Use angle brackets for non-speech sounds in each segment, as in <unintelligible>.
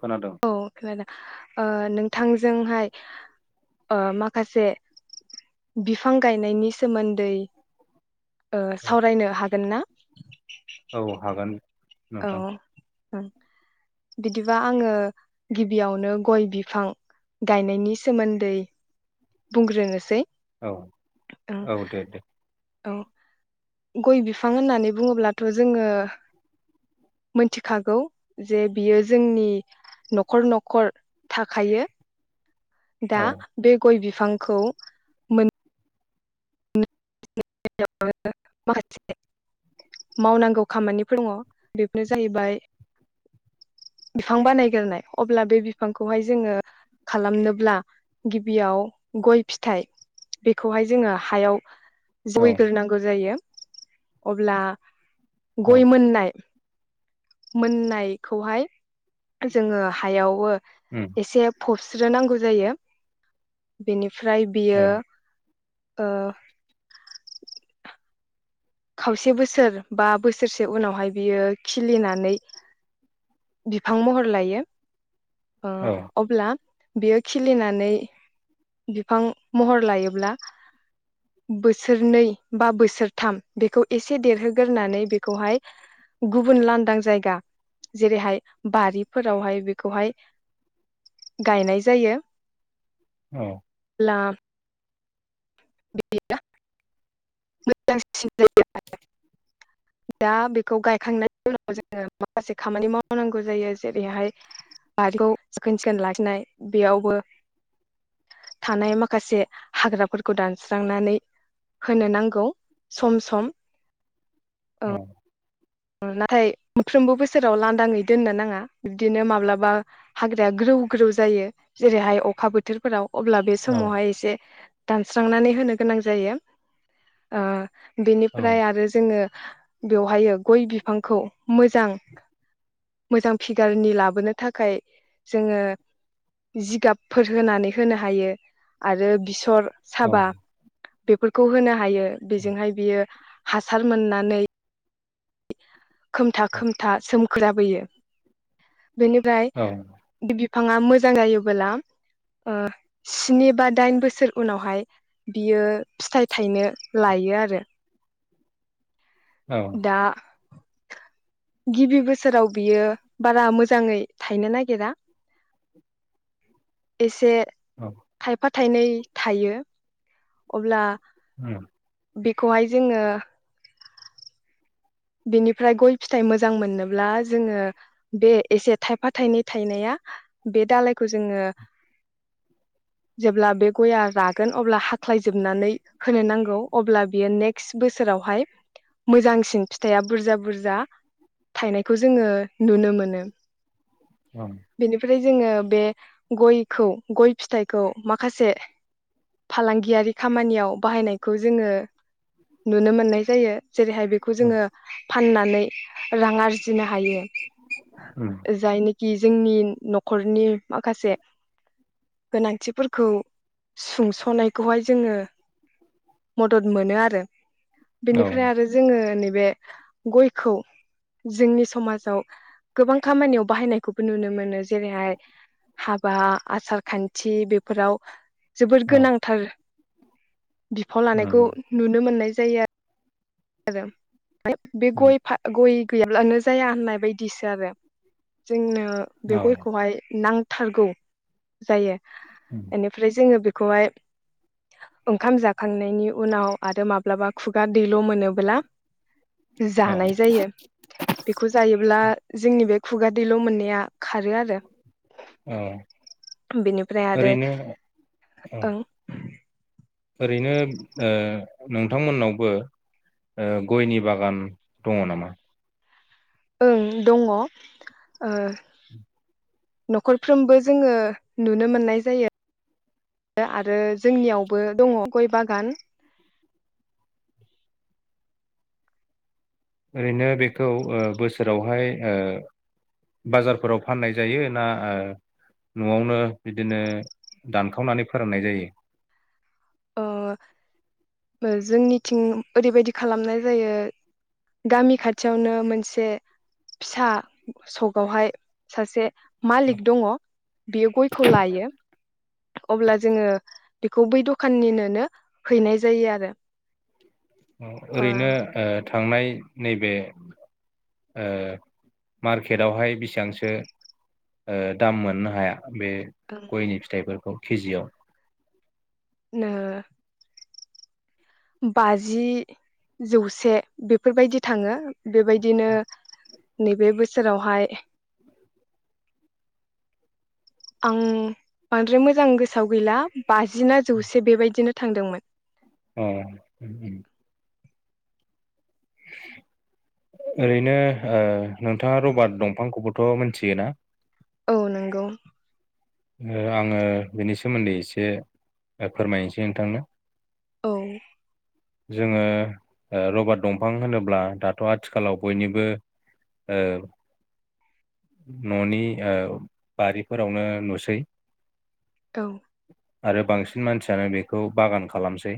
खोनादों औ खोनादों ओ नोंथांजोंहाय ओ माखासे बिफां गायनायनि सोमोन्दै ओ औ सावरायनो हा गोनना औ हागोन औ नोंथां बिदिबा आङो गिबियावनो गय बिफां गायनायनि सोमोन्दै बुंग्रोनोसै। औ ओं औ दे दे औ गय बिफां होननानै बुङोब्लाथ जोङो मोनथिखागौ जे बियो जोंनि न'खर न'खर थाखायो। दा औ बे गय बि फांखौ मो <unintelligible> माखासे मावनांगौ खामानिफोर दङ बेफोरनो जाहैबाय बिफां बानायग्रोनाय अब्ला बे बिफांखौहाय जोङो खालामनोब्ला गिबियाव गय फिथाइ बेखौहाय जोङो हायाव औ जयग्रोनांगौ जायो। अब्ला औ गय मोननाय मोननायखौहाय जोङो हायाव ओ उम एसे फब स्रो नांगौ जायो बेनि फ्राय बियो औ ओ खावसे बोसोर बा बोसोरसे उनावहाय बियो खिलिनानै बिफां महर लायो। औ अह अब्ला बेयो खिलिनानै बिफां महर लायोब्ला बोसोरनै बा बोसोरथाम बेखौ एसे देरहोग्रोरानै बेखौहाय गुबुन लांदां जायगा जेरैहाय बारिफोरावहाय बेखौहाय गायनाय जायो। औ <unintelligible> बिदिब्ला मोजांसिन जायो आरो दा बेखौ गायखांनायनि उनाव जोङो माखासे खामानि मावनांगौ जायो जेरैहाय बारिखौ साखोन सिखोन लाखिनाय बेयावबो थानाय माखासे हाग्राफोरखौ दानस्रांनानै होनो नांगौ सम सम। औ नाथाय मोनफ्रोमबो बोसोराव लांदाङै दोननो नाङा बिब्दिनो माब्लाबा हाग्राया ग्रौ ग्रौ जायो जेरैहाय अखा बोथोरफोराव अब्ला बे समावहाय एसे दानस्रांनानै होनो गोनां जायो। औ बेनिफ्राय आरो जोङो बेवहायो गय बिफांखौ मोजां मोजां फिगारनि लाबोनो थाखाय जोङो जिगाबफोर होनानै होनो हायो आरो बेसर साबा बेफोरखौ होनो हा हायो बिजोंहाय बियो हासार मोननानै खोमथा खोमथा सोमखोराबोयो। औ औ बेनिफ्राय बिफाङा मोजां जायोबोला स्नि बा दाइन बोसोर उनावहाय बियो फिथाइ थायनो लायो आरो। दा गिबि बोसोराव बियो बारा मोजाङै थायनो नागिरा एसे औ थायनै थायो। अब्ला उम। बेखौहाय जोङो बेनिफ्राय गय फिथाइ मोजां मोननोब्ला जोङो बे एसे थायफा थायनै थायनाया बे दालायखौ जोङो जेब्ला बे गय‌आ रागोन अब्ला हाख्लायजोबनानै होनो नांगौ अब्ला बियो नेक्स्ट बोसोरावहाय मोजांसिन फिथाइया बुरजा बुरजा थायनायखौ जोङो नुनो मोनो। औ। बे जोङो बे गयखौ‌ गयफिथाइखौ माखासे फालांगियारि खामानियाव बाहायनाय खौ जोङो नुनो मोननाय जायो जेरै हाय बो जोङो फाननानै रां आरजिनो हायो उम जायनि कि जोंनि नखरनि माखासे गोनांथिफोरखौ सुंसनायखौहाय जोङो मदद मोनो आरो। बेनिफ्राय आरो जोङो नैबे गयखौ जोंनि समाजाव गोबां खामानियाव बाहायनायखौबो नुनो मोनो जेरैहाय हाबा आसार-खान्थि बेफोराव जोबोद गोनांथार बिफाव लानायखौ नुनो मोननाय जायो आ आरो। बे गय फा गय गैयाब्लानो जाया होननाय बायदिसो आरो जोंनो। ओ बे औ गयखौहाय नां थारगौ जायो। उम एनिफ्राय जोङो बे खौहाय ओंखाम जाखांनायनि उनाव आरो माब्लाबा खुगा दैल' मोनो ब्ला औ जानाय जायो बेखौ जायोब्ला जोंनि बे खुगादैल' मोननाया खारो आरो बेनिफ्राय आरो ओरैनो औ ओं ओरैनो ओ नोंथांमोननावबो गयनि ओ बागान दङ नामा? ओं दङ ओ न'खरफ्रोमबो जोङो नुनो मोननाय जायो आरो जोंनियावबो दङ गय बागान ओरैनो बेखौ ओ बोसोरावहाय ओ बाजारफोराव फाननाय जायो ना ओ न'वावनो बिदिनो दानखावनानै फोराननाय जायो। ओ जोंनिथिं ओरैबायदि खालामनाय जायो गामि खाथियावनो मोनसे फिसा सगावहाय सासे मालिक दङ बेयो गयखौ लायो। अब्ला जोङो बेखौ बै दखाननिनोनो हैनाय जायो आरो। अ ओ ओरैनो ओ थांनाय नैबे ओ मार्केदावहाय बेसेबांसो ओ दाम मोननो हाया? बे गयनि फिथाइफोरखौ खिजियाव नो बाजि जौसे बेफोरबायदि थाङो बेबायदिनो नैबे बोसोरावहाय आं बांद्राय मोजां गोसोआव गैला बाजि ना जौसे बेबायदिनो थांदोंमोन। अ उम उम ओरैनो ओ नोंथाङा रबार्ट दंफांखौबोथ' मोनथियोना? औ नंगौ। ओ आङो बेनि सोमोन्दै एसे ओ फोरमायनोसै नोंथांनो औ जोङो ओ रबार्ट दंफां होनोब्ला दाथ' आथिखालाव बयनिबो ओ न'नि ओ बारिफोरावनो नुसै सै औ आरो बांसिन मानसियानो बेखौ बागान खालामसै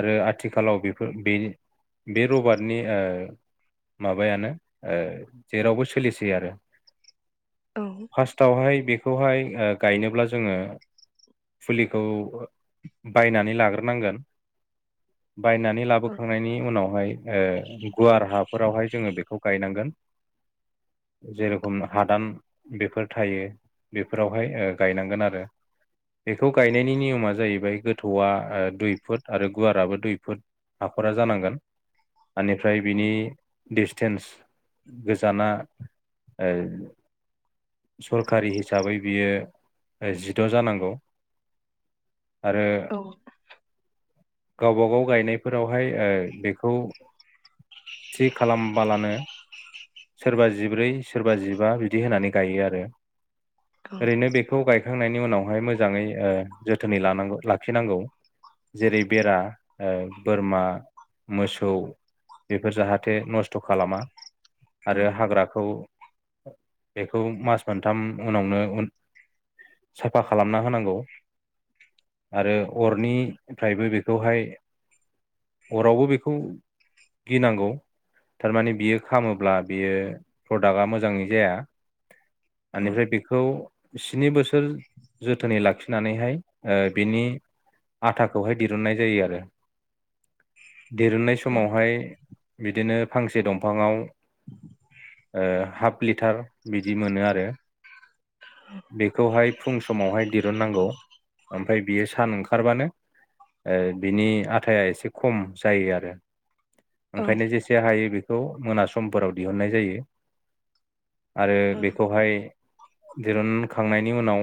आरो आथिखालाव बेफोर बेनि बे रबार्टनि ओ माबायानो ओ जेरावबो सोलिसै आरो औ फार्स्टावहाय बे खौहाय ओ गायनोब्ला जोङो फुलिखौ बायनानै लाग्रोनांगोन बायनानै लाबोखांनायनि उनावहाय ओ गुवार हाफोरावहाय जोङो बेखौ गायनांगोन जेरखम हादान बेफोर थायो। बेफोरावहाय ओ गायनांगोन आरो बेखौ गायनायनि नियमा जाहैबाय गोथौवा ओ दुइ फुट आरो गुवाराबो दुइ फुट हाखरा जानांगोन। आनिफ्राय बिनि दिसटेन्स गोजाना ओ सरकारि हिसाबै बियो ओ जिद' जानांगौ। आरो औ गावबागाव गायनायफोरावहाय ओ बेखौ थि खालामबालानो सोरबा जिब्रै सोरबा जिबा बिदि होनानै गायो आरो औ ओरैनो बेखौ गायखांनायनि उनावहाय मोजाङै ओ जोथोनै लानांगौ लाखिनांगौ जेरै बेरा ओ बोरमा मोसौ बेफोर जाहाथे नस्थ खालामा औ आरो हाग्राखौ बेखौ मास मोनथाम उनावनो उन साफा खालामना होनांगौ आरो अरनिफ्रायबो बेखौहाय अरावबो बेखौ गिनांगौ थारमाने बियो खामोब्ला बियो प्रडाक्टआ मोजाङै जाया। औ बेनिफ्राय बेखौ स्नि बोसोर जोथोनै लाखिनानैहाय ओ बेनि आथाखौहाय दिरुुननाय जायो, आरो देरुननाय औ समावहाय बिदिनो फांसे दंफाङाव ओ हाफ लिटार बिदि मोनो आरो बेखौहाय फुं समावहाय दिरुननांगौ ओमफ्राय बियो सान ओंखारबानो ओ बिनि आथाया एसे खम जायो आरो ओं ओं ओंखायनो जेसे हायो बे खौ मोना समफोराव दिहुननाय जायो। आरो बेखौहाय दिरुनखांनायनि उनाव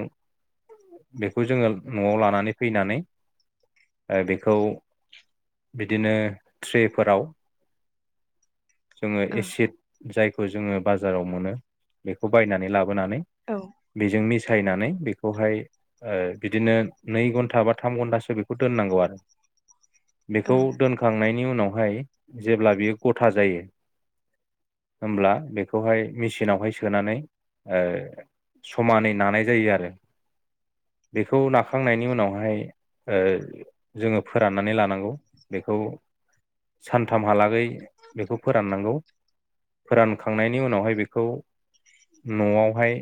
बेखौ जोङो नआव लानानै फैनानै ओ बेखौ बिदिनो ट्रेफोराव जोङो एसिड जाय जोङो बाराव मोनो बेखौ बायनानै ला बोनानै बेजों मिस फिसायनानै बेखौहाय ओ बिदिनो नै घन्टा बा थाम घन्टासो बेखौ दोननांगौ आरो औ बेखौ औ दोनखांनायनि उनाव हाय जेब्ला बियो गथा जायो होमब्ला बेखौहाय मेचिनावहाय सोनानै ओ समानै नानाय जायो आरो बेखौ नाखांनायनि उनावहाय ओ जोङो फोराननानै लानांगौ बेखौ सानथामहालागै बेखौ फोराननांगौ फोरानखांनायनि उनावहाय बेखौ नआवहाय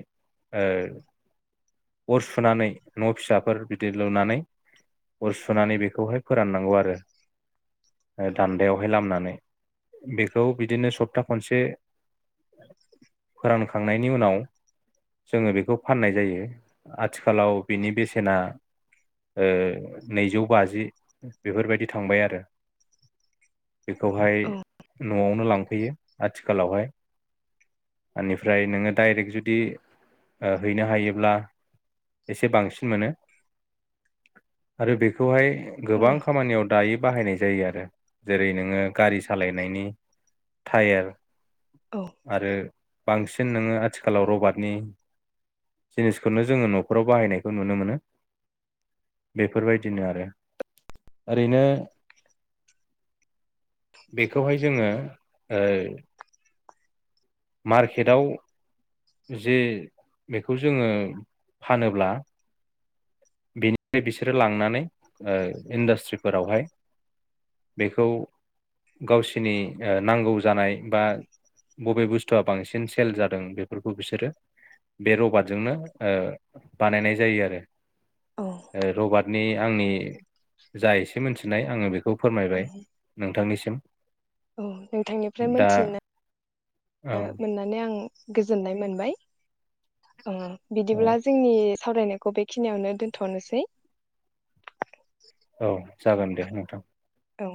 ओ अर सुनानै न फिसाफोर बिदि लुनानै अर सुनानै बेखौहाय फोराननांगौ आरो दान्दायावहाय लामनानै बेखौ बिदिनो सप्ता खनसे फोरानखां खांनायनि उनाव जोङो बेखौ फाननाय जायो आथिखालाव बिनि बेसेना ओ नैजौ बाजि बेफोरबायदि थांबाय आरो बेखौहाय नआवनो लांफैयो आथिखालावहाय ओमफ्राय नोङो डाइरेक्ट जुदि ओ हैनो हायोब्ला एसे बांसिन मोनो आरो बेखौहाय औ गोबां ओं खामानियाव दायो बाहायनाय जायो आरो जेरै नोङो गारि सालायनायनि थायेर औ आरो बांसिन नोङो आथिखालाव रबाटनि जिनिसखौनो जोङो नफोरराव बाहायनायखौ नुनो मोनो बेफोरबायदिनो आरो ओरैनो बेखौहाय जोङो ओ मार्केटआव जे बेखौ जोङो फानोब्ला बेनिफ्राय बिसोरो लांनानै ओ इन्डास्ट्रिफोरावहाय बेखौ गावसिनि ओ नांगौ जानाय बा बबे बुस स्थुआ बांसिन सेल जादों बेफोरखौ बिसोरो बे रबाटजोंनो ओ बानायनाय जायो आरो औ ओं ओ रबाट नि आंनि जा एसे मिथिनाय आङो बे खौ फोरमायबाय नोंथांनिसिम औ नोंथांनिफ्राय दा मोनथि ना औ ओ मोननानै आ आं गोजोननाय मोनबाय ओं औ बिदिब्ला जोंनि सावरायनायखौ बेखिनियावनो दोनथनोसै। औ जागोन दे नोंथां। औ